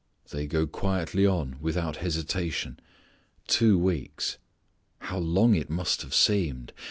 They go quietly on without hesitation. Two weeks. How long it must have seemed!